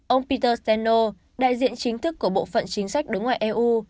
ông peter steno đại diện chính thức của bộ phận chính sách đối ngoại eu